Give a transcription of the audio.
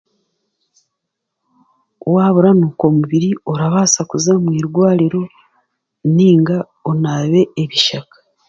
Wooranuuka omubiri orabaasa kuza omu irwariro nainga onaabe ebishaka